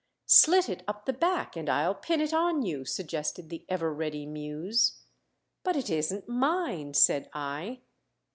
"Slit it up the back, and I'll pin it on you," suggested the ever ready Muse. "But it isn't mine," said I.